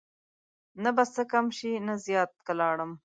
نه به څه کم شي نه زیات که لاړم